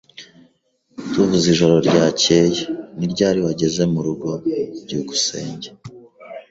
Tuvuze ijoro ryakeye, ni ryari wageze murugo? byukusenge